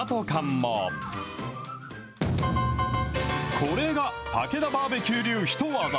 これがたけだバーベキュー流ヒトワザ。